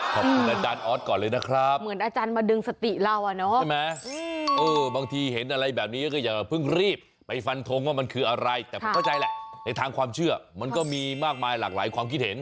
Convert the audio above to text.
แต่ผมเข้าใจแหละในทางความเชื่อมันก็มีมากมายหลากหลายความคิดเห็น